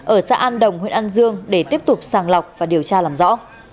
ở xã an đồng huyện an dương để tiếp tục sàng lọc và điều tra làm rõ